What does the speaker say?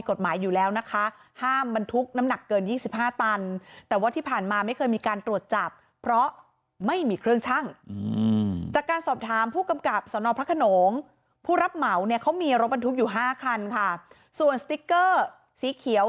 เขามีรบบรรทุกอยู่๕คันค่ะส่วนสติ๊กเกอร์สีเขียว